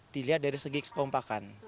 dilihat dari segi kekompakan